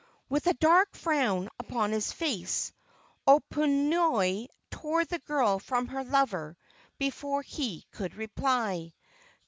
With a dark frown upon his face, Oponui tore the girl from her lover before he could reply.